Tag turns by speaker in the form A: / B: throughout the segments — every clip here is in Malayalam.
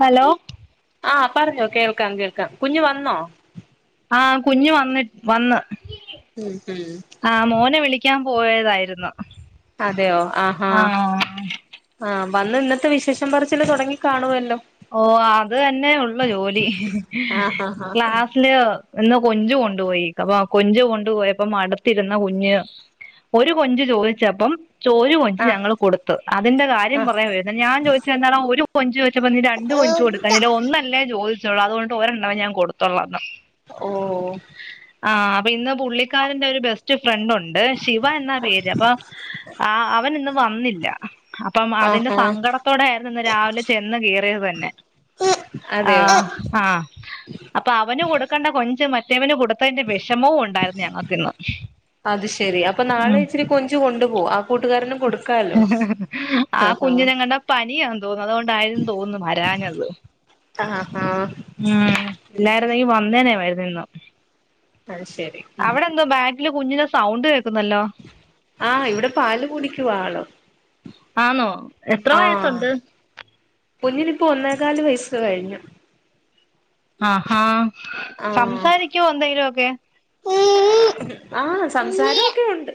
A: ഹലോ
B: ആ പറഞ്ഞോ. കേൾ ക്കാം കേൾക്കാം. കുഞ്ഞു വന്നോ?
A: ആ കുഞ്ഞ് വന്നി വന്ന്
B: ഉം ഉം
A: ക്കാൻ പോയതായിരുന്നു.
B: അതെയോ ആഹാ
A: ആഹ്
B: ആമ് വന്ന് ഇന്നത്തെ വിശേഷം പറിച്ചില് തൊടങ്ങി കാണുവല്ലോ
A: ഓ അത് തന്നെ ഒള്ള് ജോലി
B: ആഹ് ആഹ്
A: ക്ലാസ്സില് ഇന്ന് കൊഞ്ചു കൊണ്ടുപോയി അപ്പ ഇന്ന് കൊഞ്ച് കൊണ്ടുപോയപ്പോ അടുത്തിരുന്ന കുഞ്ഞ് ഒരു കൊഞ്ച് ചോദിച്ചപ്പം ചോരു കൊഞ്ച്
B: ആഹ്
A: ഞങ്ങള് കൊടുത്ത് അതിന്റെ കാര്യം
B: ആഹ് ആഹ്
A: പറയാൻ വര്ന്നു ഞാൻ ചോദിച്ചു എന്താടാ ഒരു കൊ കൊഞ്ചു വെച്ചപ്പാ എന്റെ കൊഞ്ചു കൊടുക്കന്നില്ല ഒന്നല്ലേ ചോ യിച്ചോള്ളൂ അത്കൊണ്ട് ഒരെണ്ണവേ ഞാൻ കൊടുത്തള്ളന്ന്
B: ഓ
A: ആഹ് അപ്പൊ ഇന്ന് പുള്ളിക്കാരന്റെ ഒരു ബെസ്റ്റ് ഫ്രണ്ട് ഒണ്ട് ശിവ എന്ന പേര് അപ്പൊ ആ അവൻ ഇന്ന് വന്നി ഇല്ല അപ്പം അതിന്റെ
B: ആഹാ
A: സങ്കടത്തോടെ ആയിരുന്നു ഇന്ന് രാവിലെ ചെന്ന് കേറിത് ത ന്നെ ആ
B: അതെയോ
A: ആഹ് അപ്പൊ അവന് കൊടുക്കണ്ട കൊഞ്ച് മറ്റ റ്റേവന് കൊടു കൊടുത്തേന്റെ വെഷമോം ഒണ്ടായിരുന്നു ഞങ്ങക്കിന്ന്
B: അത് ശെരി അപ്പൊ നാളെ ഇച്ചിരി കൊഞ്ച് കൊണ്ടു പോവും ആ കൂട്ടുകാരനും കൊടുക്കാലോ
A: ആ
B: ആഹ്
A: കുഞ്ഞിനങ്ങണ്ടോ പനിയന്ന് തോന്നുന്നു അതുകൊണ്ടായിരുന്നു തോന്നു വ രഞ്ഞത്
B: ആഹ് ആഹ് ആഹ്
A: മ്മ് ഇല്ലാര്ന്നെങ്കി വന്നെ [unintelligible] നെന്നും
B: അത് ശെരി മ്മ്
A: കുഞ്ഞിന്റെ സൗണ്ട് കേ
B: ആഹ് ഇവിടെ പാല് കുടിക്കുവാ ആള്
A: ആന്നൊ എത്ര
B: ആഹ്
A: വയസ്സോണ്ട്
B: മുക്കാല് വയസ്സ് കഴിഞ്ഞു.
A: ആഹ് ഹാ
B: ആഹ്
A: സംസാരിക്കുവോ എന്തെലുവോക്കെ
B: ആഹ് സംസാരവോക്കെ ഒണ്ട്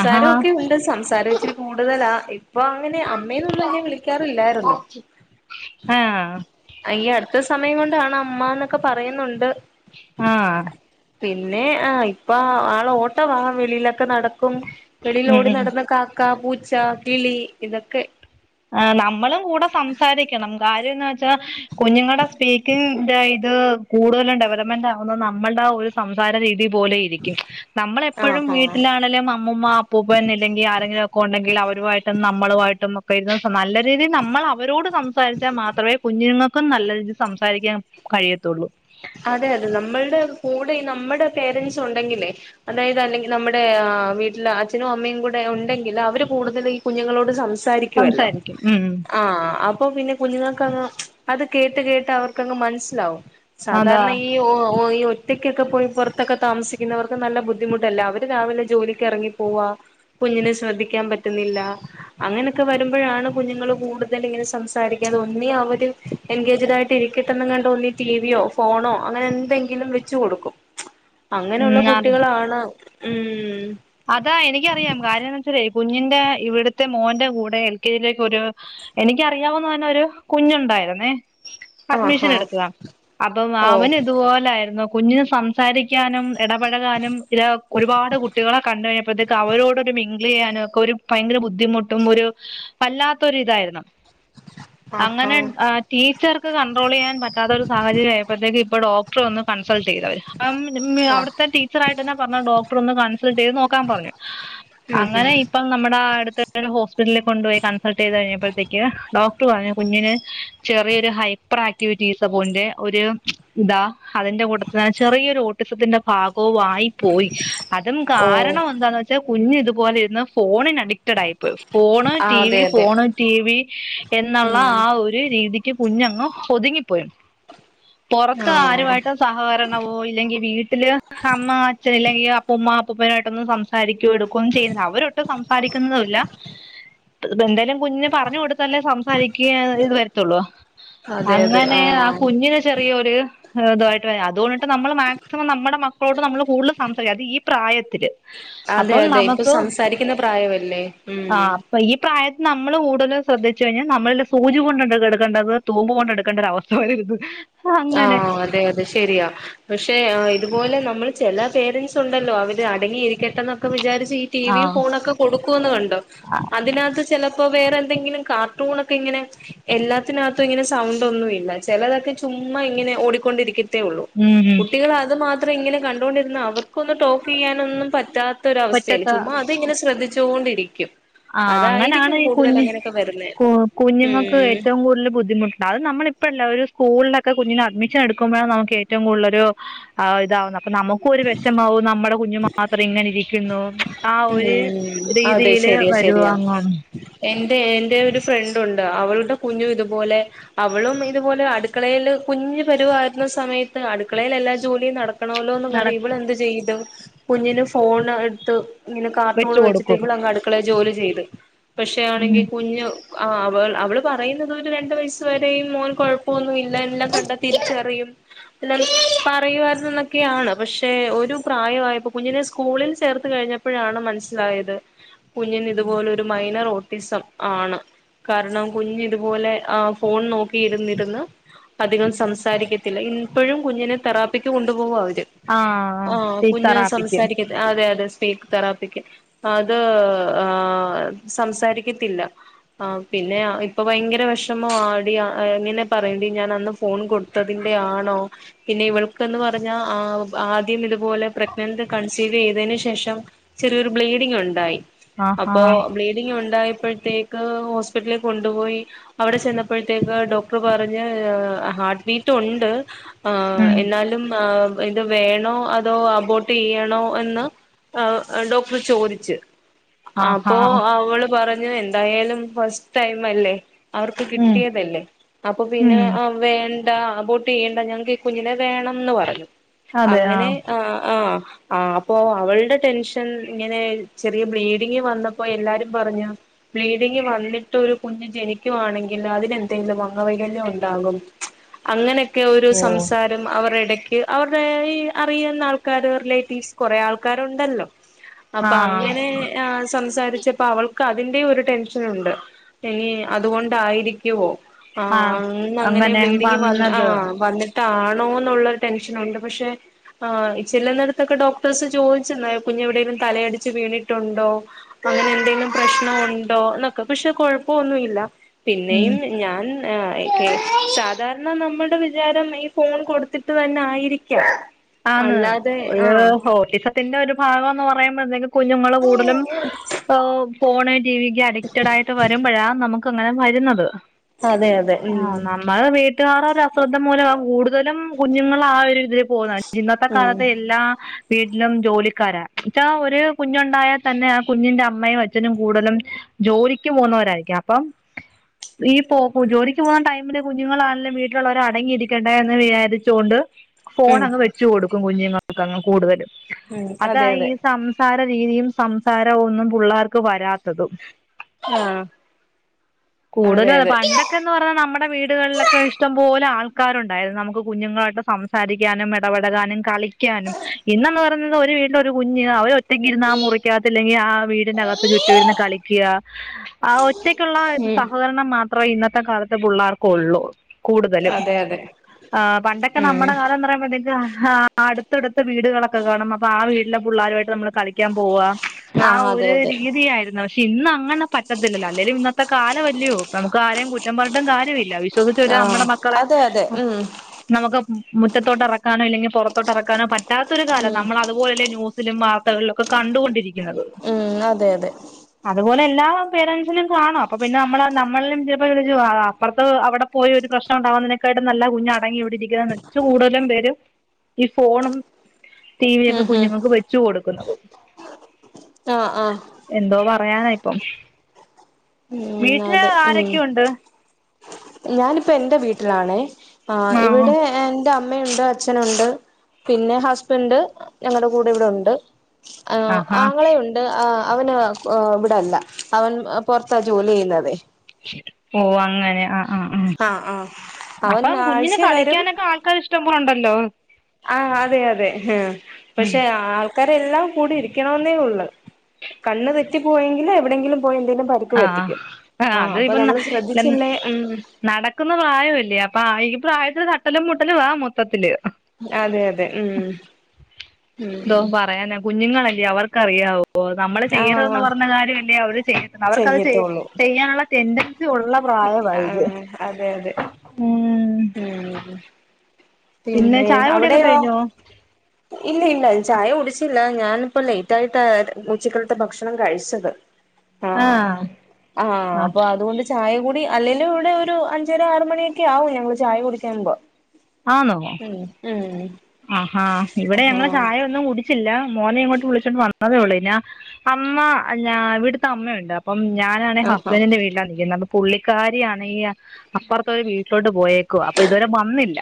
A: ആഹാ
B: ഒണ്ട് സംസാര ഇച്ചിരി കൂടുതലാ ഇപ്പൊ അങ്ങനെ അമ്മേന്നൊന്നും എന്നെ വിളിക്കാറില്ലാരുന്നു
A: ആഹ്
B: ഈ അടുത്ത സമയം കൊണ്ടാണ് അമ്മന്നൊക്കെ പറയുന്നൊണ്ട്
A: ആഹ്
B: പിന്നെ ആ ഇപ്പ ആള് ഓട്ടവാ വെളിലൊക്കെ നട ക്കും
A: ഉം
B: വെളിയിലോടി
A: ഉം
B: നടന്ന് കാക്ക പൂ ച്ച കിളി ഇതക്കെ
A: ആ നമ്മളും കൂടെ സംസാരിക്കണം കാര്യാ- കുഞ്ഞുങ്ങളുടെ സ്പീക്കിംഗഇന്റ ഇത് - കൂടുതലും ഡെവലപ്മെന്റ് ആകുന്ന നമ്മളുടെ ആ ഒരു സംസാര രീതി- പോലെ ഇരിക്കും
B: ആഹ്
A: നമ്മളെപ്പോഴും
B: ആഹ്
A: വീട്ടിലാണെങ്കിലും അമ്മൂമ്മ അപ്പൂപ്പൻ അല്ലെങ്കിൽ ആരെങ്കിലും ഒക്കെ ഉണ്ടെങ്കിൽ അവരുമായിട്ടൊ- നമ്മളുമായിട്ടും പുന്നന്ന സമാനല്ല [unintelligible] രീതി നമ്മൾ അവരോട് സംസാരിച്ചാൽ മാത്രമേ കുഞ്ഞുങ്ങ- നല്ല രീതിയിൽ സംസാരിക്കാൻ കഴിയത്തുള്ളൂ
B: അതെ അതെ നമ്മളുടെ കൂടെ നമ്മുടെ പേരന്റ്സ് ഉണ്ടെങ്കിലേ അതായത് അല്ലെങ്കിൽ നമ്മുടെ വീട്ടിലെ അച്ഛനും അമ്മയും കൂടെ ഉണ്ടെങ്കിൽ അവര് കൂടുത- കുഞ്ഞുങ്ങളോട് സംസാരിക്കുമല്ലോ
A: സംസാരിക്കും ഉം
B: ആ അപ്പൊ പിന്നെ കുഞ്ഞുങ്ങൾ- ങ് അത് കേട്ട് കേട്ട് അവർക്കങ്ങ് മനസ്സിലാവും
A: അതാ
B: സാധാരണ ഈ ഓ ഒറ്റയ്ക്കൊക്കെ പോയി പുറത്തൊക്കെ താമസിക്കുന്നവർക്ക് നല്ല ബുദ്ധിമുട്ടല്ല അവര് രാവിലെ ജോലിക്ക് ഇറങ്ങി പോവാ കുഞ്ഞിനെ ശ്രദ്ധിക്കാൻ പറ്റുന്നില്ല അങ്ങനെയൊക്കെ വരുമ്പോഴാണ് കുഞ്ഞുങ്ങള്ൾ കൂടുതൽ ഇങ്ങനെ സംസാരിക്കാെ ഒന്നി അവര് എൻഗേജഡ ആയിട്ട് ഇരിക്കട്ടെന്ന് കണ്ട ഒന്നി [unintelligible] ഫോണോ അങ്ങനെ എന്തെങ്കിലും വെച്ച് കൊടുക്കും അങ്ങനെയുള്ള
A: ഉം അത്
B: കുട്ടികളാണ് ഉം
A: അതാ എനിക്കറിയാം കാര്യംന്ന് വെച്ചേ കുഞ്ഞിന്റെ ഇവിടുത്തെ മോന്റയ് കൂടെ എൽ കെ ജയിലേക്ക് ഒരു എനിക്കറിയാവന്ന് പറഞ്ഞെ ഒരു കുഞ്ഞുണ്ടായിുന്നേ അഡ്മിഷൻ
B: ആഹാ
A: എടുത്തതാ അപ്പം
B: ഓ
A: അവൻ ഇതുപോലൊയിരുന്നു കുഞ്ഞിനു സംസാരിക്കാനും ഇടപഴകാനും ഇത് ഒരുപാട് കു പറു കഴിഞ്ഞപ്പോഴത്തേക്ക് അവരോടൊരു മിങ്ള് ചെയ്യാനും ഒക്കെ ഒരു ഭയങ്കര ബുദ്ധിമുട്ടും ഒരു വല്ലാത്തൊ ഇതായിരുന്നു
B: ആഹാ
A: അങ്ങനെ ടീച്ചർക്ക് കണ്ട്രോൾ ചെയ്യാൻ പറ്റാത്തൊ ഒരു സാഹചര്യം ആയപ്പോഴത്തേക്ക് ഇപ്പൊ ഡോക് ഇപ്പൊ ഒന്ന് കണ്ടിട്ട്
B: ആ
A: അവി ടീച്ചറായിട്ട്െ പറഞ്ഞ ഡോക്ടർ നോക്കാൻ പറഞ്ഞു
B: ഉം
A: അങ്ങനെ
B: ഉം
A: ഇപ്പ നമ്മുടെ ആ അടുതടുത്ത - വീട്ടിൽ കൊണ്ട്‌ പോയി കസൾട്ട് ചെയ്ത് കഴഞ്ഞപ്പോഴത്തേക്ക് ഡോക്ടർ പറഞ്ഞു കുഞ്ഞിന് ചെറിയൊരു ഹൈപ്പർ ആക്ടിവിറ്റീസ് പോന്റെ ഒരു ഇതാ അതിന്റെ കൂട്ടത്തി ചെറിയൊരു ഓട്ടിസത്തിന്റെ ഭാഗം ആയി പോയി
B: ഓ
A: കാരണം എന്താന്ന് വെച്ചാൽ കുഞ്ഞഞ് ഇതുപോലെ ഇന്ന് ഫോണിന- അക്് ഫോണ്
B: ആ
A: ടി
B: അതെ
A: വി
B: അതെ
A: ഫോണ് ടി വി എന്നുള്ള
B: ഉം
A: ആ ഒരു രീതി കുഞ്ഞങ്ങ് ഒതുങ്ങിപ്പോയി പുറത്ത്
B: ആ
A: ആരുമായിട്ട് സഹകരണമോ ഇല്ലെങ്കി വീട്ടില് അമ്മ അച്ഛൻ ഇല്ലെങ്കി- കാക്കുപ്പനായിട്ടൊന്നും സംസാരിക്കൂ എടു ക്കൊന്നും ചെയ്യ്ന്നെ അവര് ഇട്ട് സംസാരിക്ക്ന്നൂല്ലാ ത് തെന്തെലും കുഞ്ഞ് പറഞ്ഞുകൊട് തന്നെ സംസാരിക്ക്യ ഇത് വരത്തൊള്ളൂ
B: അതെ അതെ
A: അങ്ങനെ ആ കുഞ്ഞിന ചെറിയൊര് ഏ് ഇതായിട്ട് അതുകൊണ്ടിട്ട് നമ്മള് മാക്സിമം നമ്മടെ മക്കളോട് നമ്മള് കൂടുതലും സംസരിക്ക അത് ഈ പ്രായത്തില്
B: അതെ
A: അപ്പം
B: അതെ ഇപ്പൊ
A: നമുക്ക്
B: സംസാരിക്കുന്ന പ്രായമല്ലേ ഉം
A: നമ്മള് കൂടുതൽ ശ്രദ്ധിച്ചു കഴിഞ്ഞാൽ നമ്മളില് സൂചി കൊണ്ടക്കെത്എടുക്കേണ്ടത് തൂമ്പ് കൊണ്ട് എട്ക്കേണ്ട ഒരു അവസ്ഥ വരരുത് അങ്ങനെ
B: ആഹ് അതെ അതെ ശെരിയാ പക്ഷെ ഇതുപോലെ നമ്മൾ ചെല പേരൻസ് ഉണ്ടല്ലോ അവര് അടങ്ങിയിരിക്കട്ടെ എന്നൊക്കെ വിചാരിച്ച്- ടീ
A: ആ
B: ടീവിയും ഫോണൊക്കെ കൊടുക്കുംന്ന് കണ്ടോ അതിനകത്ത് ചെലപ് ഇപ്പ വേറെന്തെങ്കിലും കാർട്ടൂൺനെക്കെ ഇങ്ങനെ എല്ലാത്തിനകത്തും ഇങ്ങനെ സൗണ്ട് ഒന്നും ഇല്ല ചെലതൊക്കെ ചുമ്മാ ഇങ്ങനെ ഓടിക്കൊണ്ടിരിക്ക- തെയുള്ളു
A: ഉം ഉം
B: കുട്ടികൾ അത് മാത്ര- മാത്രം ഇങ്ങനെ കണ്ടോണ്ടിരുന്ന അവർക്കൊന്നും ടോക്ക് ചെയ്യാനൊന്നും പറ്റാത്ത- ഒരു അവസ്ഥയാണ്
A: മുറ്റത്ത്
B: ചുമ്മാ അത് ഇങ്ങനെ ശ്രദ്ധിച്ചു- തോണ്ടിരിക്കും
A: ആ അങ്ങനാണ് ഈ കുഞ്ഞു
B: വരുന്നേ
A: കുഞ്ഞുങ്ങൾക്ക്
B: ഉം
A: ഏറ്റവും കൂടുതൽ ബുദ്ധിമുട്ടണ്ട് അത് നമ്മള് ഇപ്പഴല്ല ഒരു- സ്കൂളിലൊക്കെ കുഞ്ഞിന് അഡ്മിഷൻ എടുക്കുമ്പോഴാണ് നമുക്ക് ഏറ്റവും കൂടുതല് ഒരു ഇത്‌ ആവുന്നെ അപ്പ നമുക്കും ഒരു വിഷമാവും നമ്മടെ കുഞ്ഞു മാത്രം ഇങ്ങനെ ഇരിക്കുന്നു ആ ഒരു
B: ഉം അതെ
A: രീതിയില്
B: ശരിയാ ശരിയാ
A: വരുവാങ് -
B: എന്റെ എന്റെ ഒരു ഫ്രണ്ട് ഒണ്ട് അവളുടെ കുഞ്ഞു ഇതുപോലെ അവളും ഇതുപോലെ അടുക്കളയിൽ കുഞ്ഞ് പരുവായിരുന്ന സമയത്ത് അടുക്കളിൽ എല്ലാ ജോലിയും നട- ആണല്ലോന്നും
A: നട
B: കണ്ട് ഇവള് എന്ത് ചെയ്തു കുഞ്ഞിന് ഫോൺ എടുത്ത്- ഇങ്ങനെ കാർട്ടൂൺ
A: വെച്ച്
B: വെച്ചിട്ട്
A: കൊടുക്കും
B: ഇവളങ്ങ് അടുക്കളേ ജോലി- ചെയ്ത് പക്ഷെ ആണെങ്കി കുഞ്ഞ്- ആഹ് അവെ അവെൾ പറയുന്നെതും ഒര് രണ്ട് വയസ് വെരെയും മോൻ കൊഴപ്പ ഒന്നും ഇല്ല എല്ലാം കണ്ടാ തിരിച്ചറിയും എല്ലാം പറയുവായ്ര്ന്നു എന്നൊക്കെ ആണ് പക്ഷെ ഒരു പ്രായം ആയപ്പം കുഞ്ഞിന് സ്ക്കൂളിൽ ചേർത്ത് കഴിഞ്ഞാ പ്പഴാണ് മനസ്സിലായെത് കുഞ്ഞിന് ഇതു
A: ഉം
B: പോലെ ഒരു മൈനെർ ഓ ട്ടിസം ആണ്. കാരണം കുഞ്ഞ് ഇതുപോലെ ആ ഫോൺ നോക്കി ഇര്ന്ന് ഇര്ന്ന് അധികം സംസാരിക്കെത്തില്ല ഇന്ന് ഇപ്പെഴും കുഞ്ഞിനെ തെറാപ്പിക്ക് കൊണ്ട് പോവാ അവെ
A: ആഹ് സ്പീച്ച് തെറാപ്പിക്ക്
B: സംസാരിക്കത്തി അതെ അതെ സ്പീക്ക് തെറാപ്പിക്ക് അത് ആഹ് സംസാരിക്കെത്തില്ല ആഹ് പിന്നെ ഇപ്പ ഭയങ്കര വെഷ്മാവാടി എങ്ങെനെ പറയെടി ഞാൻ അന്ന് ഫോൺ കൊട്ത്തതിന്റെ ആണോ പിന്നെ ഇവെൾക്കെന്ന് പറഞ്ഞാ ആ ആദ്യം ഇത് പോലെ പ്രഗ്നന്റ് കൺസി ട്ടിവയ്‌തെന് ശേഷം ചെറിയൊരു ബ്ലീഡിങ് ഉണ്ടായി.
A: ആഹാ
B: അപ്പോ ബ്ലീഡിങ് ഉണ്ടായപ്പഴ് ത്തേക്ക് ഹോസ്പിറ്റലിൽ കൊണ്ടുപോയി. അവിടെ ചെന്നപ്പഴ്ത്തേക്ക് ഡോക്ടർ പറഞ്ഞ് ഹാർട്ട് ബീറ്റ് ഉണ്ട് ആ
A: ഉം
B: എന്നാലും ആഹ് ഇത് വേണോ അതോ അബോട്ട് യ്യണോ എന്ന് ആ ഡോക്ടർ ചോദിച്ച്.
A: ആഹാ
B: അപ്പൊ അവള് പറ ഞ്ഞ് എന്തായാലും ഫസ്റ്റ് ടൈം അല്ലേ.. അവർക്ക്
A: ഉം
B: കിട്ടിയതല്ലേ അപ്പൊ പിന്നെ
A: ഉം
B: ആ വേണ്ട ആ അബോട്ട് ചെയ്യണ്ട ഞങ്ങക്ക് ഈ കുഞ്ഞിനെ വേണംന്ന് പറഞ്ഞു അങ്ങനെ ആ ആ ആ അപ്പൊ അവളുടെ ടെൻഷൻ ഇങ്ങനെ ചെറിയ ബ്ലീഡിങ് വന്നപ്പോ എല്ലാരും പറഞ്ഞു ബ്ലീഡിങ് വന്നിട്ട് ഒരു കുഞ്ഞ് ജനിക്കുവാണെങ്കിൽ അതിനെന്തെങ്കിലും അംഗവൈകല്യം ഉണ്ടാകും അങ്ങനെ ഒക്കെ ഒരു
A: ഓ
B: സംസാരം അവർ ഇടയ്ക്ക് അവരുടെ ഈ അറിയുന്ന ആൾക്കര് റിലേറ്റീവ്സ് കുറേ ആൾക്കാർ ഉണ്ടല്ലോ അപ്പൊ
A: ആഹ്
B: അങ്ങനെ ആ സംസാരി ച്ചപ്പോ അവൾക്ക് അതിന്റെയും ഒരു ടെൻഷൻ ഉണ്ട് ഇനി അതുകൊണ്ടായിരിക്കുവോ
A: ആ
B: ആഹ് അ അങ്ങനെ ബ്ലീഡിങ് വന്ന് ആഹ് വന്നിട് ട്ടാണോ എന്നുള്ളരു ടെൻഷൻുണ്ട് പക്ഷെ ആ ചെല്ലൂന്നിടത്തൊക്കെ ഡോക്ടേഴ്സ് ചോയ് കുഞ്ഞ എവിടെങ്കിലും തലയടിച്ച് വീണിട്ടുണ്ടോ അങ്ങനെ എന്തെങ്കിലും പ്രശ്നം ഉണ്ടോ എന്നൊക്കെ പക്ഷെ കൊഴപ്പമൊന്നുല്ല
A: ഉം
B: പിന്നെയും ഞാൻ ക്കെ സാധാരണ നമ്മുടെ വിചാരം ഈ ഫോൺ കൊടുത്തിട്ട് തന്നെ ആയിരിക്കാം
A: ആന്ന്
B: അല്ലാതെ
A: ഒരു
B: ആ
A: ഓ ത്തിന്റെ ഒരു ഭാഗംന്ന് പറയുമ്പത്തേക്കും കുഞ്ഞുങ്ങള്ൾ കൂടുലും ഫോൺ ടി വിക്ക് അഡിക്റ്റഡ് ആയിട്ട് വരുമ്പോഴാ നമു [unintelligible] വരുന്നത്
B: അതെയതെ. ഉം
A: ആഹ് [unintelligible] ഒരു അശ്രദ്ധം മൂലം ആ കൂടുതലും കുഞ്ഞുങ്ങൾ ആ ഒരു ഇതിൽ പോകുന്നത്. ഇന്നത്തെ
B: ഉം
A: കാലത്ത് എല്ലാ വീട്ടിലും ജോലിക്കാരാ.. ഇതാ ഒര് കുഞ്ഞുണ്ടായാൽ തന്നെ ആ കുഞ്ഞിൻ്റെ അമ്മയും അച്ഛനും കൂടുതലും ജോലിക്ക് പോവുന്നവരായിരിക്കും, അപ്പം ഈ പോ ജോലിക്ക് പോകുന്ന ടൈമില് കുഞ്ഞുങ്ങളാണെലും വീട്ടിലുള്ളവര് അടങ്ങിയിരിക്കണ്ടേ എന്ന് വിചാരിച്ചുകൊണ്ട് ഫോൺ
B: ഉം
A: അങ് വെ ക്കും കുഞ്ഞുങ്ങൾക്കങ്ങ് കൂടുതലും.
B: ഉം
A: അതാ
B: അതെ
A: ഈ
B: അതെ
A: സംസാര രീതിയും സംസാരം ഒന്നും പിള്ളേർക്ക് വരാത്തതും
B: ആഹ് അതെ
A: കൂടുതലും അ
B: അതെ
A: പണ്ടൊക്കെന്ന് പറഞ്ഞാൽ നമ്മുടെ വീടുകളിലൊക്കെ ഇഷ്ടം പോലെ ആൾ ആക്കാരുണ്ടായത് നമുക്ക് പ കുഞ്ഞുങ്ങളായിട്ട് സംസാരിക്കാനും ഇടപെടാനും കളിക്കാനും ഇന്നന്ന് പറയുന്നത് ഒരു വീട്ടില ഒരു കുഞ്ഞ് അവ ഒറ്റക്ക് ഇരുന്നാ മുറിക്കകത്തല്ലെങ്കിൽ ആ വീടിനകത്ത് ചുറ്റും ഇരുന്ന് കളിക്കുക ആ ത്തേക്കുള്ള
B: ഉം
A: സഹകരണം മാത്രം അത്ര ഇന്നത്തെ കാലത്തെ പിള്ളേർക്ക ഒള്ളൂ കൂടുതലും്
B: അതെ അതെ
A: പണ്ടൊക്കെ
B: ഉം
A: നമ്മുടെ കാലം എന്ന് പറയുമ്പോ ആഹ് അടുത്തടുത്ത വീടുകളൊക്കെ കാണും അപ്പൊ ആ വീട്ടിലെ പിള്ളാരുമായിട്ട് നമ്മള് കളിക്കൻ പോവാുക ആ
B: ആഹ് അതെ
A: ഒരു
B: അതെ
A: രീതിയായിരുന്നു പക്ഷെ ഇന്ന അങ്ങനെ പറ്റത്തില്ലല്ലോ അല്ലെലും ഇന്നത്തെ കാലമല്ലയോ നമുക്ക് ആരെയും കുറ്റം പറാട്ടും കാലമില്ല ചോദിച്ചരു
B: ആഹ്
A: നമ്മടെ മക്കളെ
B: അതെ അതെ ഉം
A: നമുക്ക് മുറ്റത്തോട്ടറ നോ ല്ലെങ്കി പുറത്തോട്ട ഇറക്കാനോ റ്റാത്ത ഒരു കാലം
B: ഉം
A: നമ്മള അത്പോലെല്ലെ ന്യൂസ് വാർത്തകളിലൊക്കെ കണ്ടുകൊണ്ടിരിക്കും
B: ഉം അതെ അതെ
A: അതുപോലെ എല്ലാ പേരൻറ്സിലും കാണും അപ്പോൾ പിന്നെ നമ്മൾ നമ്മളും ചിലപ്പോൾ വിു അപ്പുറത്ത് അവിടെ പോയി ഒരു പ്രശ്നംണ്ടകുന്നതിനേക്കാായിട്ടും നല്ല കുഞ് അടങ്ങി ഇവിടെ ഇരിക്കുന്നെന്ന് വച്ച് കൂടുതലും പേര് ഈ ഫോൺ
B: ഉം
A: ടിവിയൊക്കെ
B: ഉം
A: കുഞ്ഞുങ്ങൾക്ക് വെച്ചു കൊടുക്കുന്നതും
B: ആഹ് ആഹ്
A: പറയാന ഇപ്പം
B: ഉം
A: വീട്ടില് ആരൊക്കെയ ഉണ്ട്
B: ഞാനിപ്പോ എൻ്റെ വീട്ടിലാണേ ആഹ് ഇവിടെ എൻ്റെ അമ്മയുണ്ട് അച്ഛനുണ്ട് പിന്നെ ഹസ്ബൻഡ് ഞങ്ങളടെ കൂടെ ഇവിടെ ഉണ്ട് ആ
A: ആഹാ
B: ആങ്ങളെയുണ്ട് ആ അവന് ഇവിടല്ല അവൻ പൊറത്താ ജോലി ചെയ്യുന്നതേ
A: ഓ അങ്ങനെ ആ ആ ആ
B: ആഹ് ആഹ് അവൻ
A: അപ്പം കുഞ്ഞിന്
B: ആഴ്ചേ വരും
A: കളിക്കാനൊക്കെ ആൾക്കാർ ഇഷ്ടം ഉണ്ടല്ലോ
B: ആഹ് അതെ അതെ ആ
A: ഉം
B: പക്ഷെ ആ ആക്കരെ എല്ലാം കൂടി ഇരിക്കണോന്നേ ഒള്ള് കണ്ണ് തെറ്റിപ്പോയെങ്കിൽ എവിടെയെങ്കിലും പോയി എന്തെങ്കിലും പരിക്ക്
A: ആ
B: പറ്റിക്കും ആഹ്
A: അത്
B: അപ്പൊ
A: ഇപ്പ
B: നമ്മള് ശ്രദ്ധിച്ചില്ലേ ഉം
A: നടക്കുന്ന പ്രായമല്ലേ അപ്പൊ പ്രഴത്തി തട്ടലും മുട്ടലും വാ മൊത്തത്തില്.
B: അതെ അതെ ഉം ഉം
A: എന്തോ പറയാനാ കുഞ്ഞുങ്ങളല്ലേ അവർക്കറിയാവോ ഓ നമ്മള് ചെയ്യര്തന്ന്
B: ആഹ്
A: പറഞ്ഞ കാര്യല്ലേ അവര് ചെയ അവർക്ക്ത് ചെയ
B: ചെയ്യത്തുള്ളൂ
A: ചെയ്യാനുള്ള എന്ത ഉള്ള പ്രായവാ ഇത്.
B: ആഹ് അതെ
A: ഉം
B: ഉം പിന്നെ
A: ചായ കുടിയൊക്കെ
B: അവിടെയോ
A: കഴിഞ്ഞോ
B: ഇല്ല ഇല്ല ചായ കുടിച്ചി ല്ല ഞാനിപ്പോ ലേറ്റ് ആയിട്ട് ഉച്ചക്കളത്തെ ഭക്ഷണം കഴിച്ചത്. ആഹ് ആഹ് അപ്പൊ അതുകൊണ്ട് കൂടി അല്ലെലും ഇവിടെ ഒരു അഞ്ചര ആറ് മണിയൊക്കെ ആവും ഞങ്ങള് ചായ കുടിക്കാമ്പോ.
A: ആന്നോ
B: ഉം ഉം
A: ആഹാ ഇവിടെ ഞങ്ങള്
B: ആഹ്
A: ചായ ഒന്നും കുടിച്ചി മോനെ ഇങ്ങോട്ട് വിളിച്ചോണ്ട് വന്നതേ ഒള്ള് പിന്ന അമ്മ ഇവിടുത്തെ അമ്മയണ്ട്. അപ്പം ഞാനാണ്
B: ആഹാ
A: ഹസ്ബന്റിന്റെ വീട്ടിലാ നിക്കുന്നെ പുള്ളിക്കാരിയാണെങ്ക അപ്പുറത്തര് വീട്ടിലോട്ട് പോയെ ക്കുവ അപ്പൊ ഇതുവരെ വന്നില്ല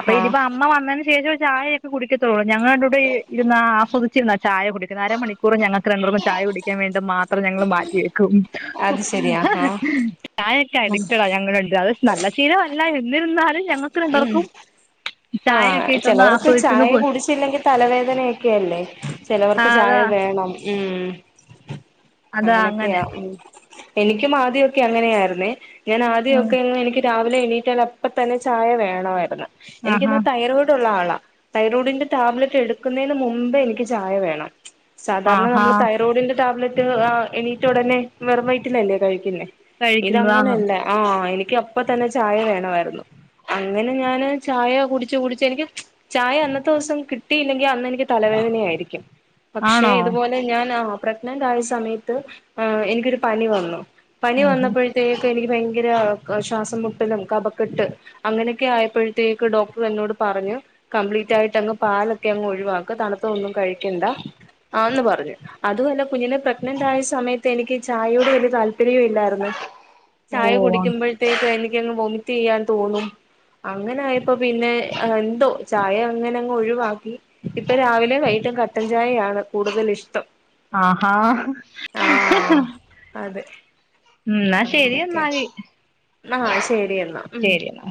A: അപ്പൊ ഇതിപ്പ അമ്മ വ ശേഷം ചായയൊക്കെ കുടിക്കെത്തൊളളു ഞങ്ങെൾ രണ്ടുട്ടെരും ഇര് ഇര്ന്ന് ആസ്വാദി ച്ചിര്ന്നാ ചായ കുടിക്ക് അര മണിക്കൂർ ഞങ്ങൾക്ക് രണ്ടുർക്കും ചായ കുടിക്കാൻ വേണ്ട മാത്രം ഇത്ര ഞങ്ങെൾ മാറ്റി വെ ക്കും
B: അത് ശരി ആഹാ
A: ചായെക്ക് അഡിറ്റെഡാ ഞങ്ങെൾ രണ്ട് പേരും അത് നല്ല ശീലവല്ല എന്നിരുന്നാലും ഞങ്ങെക്ക് രണ്ട് പേർക്കും
B: ആഹ് ചെലവെർക്ക് ചായ കുടിച്ചില്ലെങ്കി തലവേദനയൊക്കെ അല്ലെ?
A: ആ
B: ചെലവർക്ക് ചായ
A: അതാ
B: വേണം. ഉം
A: അതാ അങ്ങനെ
B: അങ്ങനെയൊക്കെയാ ഉം എനിക്കും ആദ്യൊക്കെ അങ്ങനെയായിരുന്നേ ഞാൻ
A: ഉം
B: ആദ്യോക്കെ ങ്ങ് എനിക്ക് രാ വ് ലെ ണീറ്റാലപ്പത്തന്നെ ചായ വേണായിര്ന്ന്.
A: ആഹാ
B: എനിക്കിന്ന് തൈറോയ്ഡുള്ള ആളാ തൈറോഡിന്റെ ടാബ്ലറ്റ് എടുക്കുന്നയിന് മുമ്പേ എനിക്ക് ചായ വേണം. സാധാരണ
A: ആഹാ
B: നമ്മള് തൈറോഡിന്റെ ടാബ്ലറ്റ് റ്റ് ആഹ് എണീറ്റ് ഉടനെ വെറുംവയറ്റിലെല്ലേ കഴിക്കുന്നെ.
A: കഴിക്കുന്നതാന്ന്
B: ഇതങ്ങനല്ല ആ ഇ ക്യപ്പ തന്നെ ചായ വേണ ആയിരുന്നു അങ്ങനെ ഞാന് ചായ കുടിച്ചു കുടിച്ച് എനിക്ക് ചായ അന്നത്തോസം കിട്ടിയില്ലെങ്കി അന്ന് എനിക്ക് തലവേദനയായിരിക്കും. പക്ഷേ
A: ആണോ
B: ഇതുപോലെ ഞാൻ ആ പ്രഗ്നന്റ് ആയ സമയത്ത് ആ എനിക്കൊരു പനി വന്നു. പനി
A: ആഹാ
B: വന്നപ്പോയ്ത്തേ എനിക്ക് ഭയങ്കര അ ശ്വാസം മുട്ടലും കപക്കെട്ട് അങ്ങനൊക്കെ ആയപ്പഴത്തേക്ക് ഡോക്ടർ എന്നോട് പറഞ്ഞു. കംപ്ലീറ്റായിട്ട് അങ്ങ് പാലൊക്കെ അങ്ങ് ഒഴിവാക്ക തണുത്ത ഒന്നും കഴിക്കണ്ട ആന്ന് പറഞ്ഞു. അതുവല്ല കുഞ്ഞിനെ പ്രഗ്നന്റ് ആയ സമയത്ത് എനിക്ക് ചായോട് വല്യ താല്പര്യവും ഇല്ലായിരുന്നു.
A: ഓ
B: ചായ കുടിക്കുമ്പഴത്തേക്കും അയിന് ക്കെങ് വൊമിറ്റ്യ്യാൻ തോന്നും. അങ്ങനായപ്പോ പിന്നെ എന്തോ ചായ അങ്ങനെങ്ങ് ഒഴിവാക്കി ഇപ്പൊ രാവിലെ വൈകട്ടും കട്ടൻ ചായയാണ് കൂടുതൽ ഇഷ്ടം
A: ആഹാ
B: ആഹ് അതെ
A: ന്നാ ശരി എന്നാല്
B: ആ ശരി. രി എന്നാ ഉം
A: ശരി എന്നാ